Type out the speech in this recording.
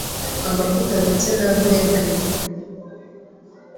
amavuta ndetse na vinegre